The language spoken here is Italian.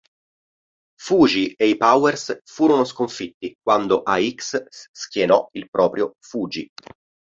Fuji e i Powers furono sconfitti quando Ax schienò proprio Fuji.